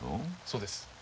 そうです。